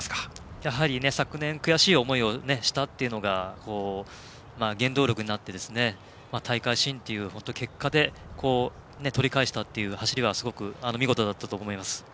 やはり、昨年悔しい思いをしたというのが原動力になって大会新という結果で取り返したという走りはすごく見事だったと思います。